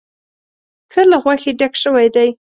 ښه له غوښې ډک شوی دی.